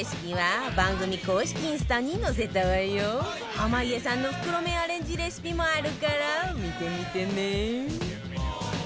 濱家さんの袋麺アレンジレシピもあるから見てみてね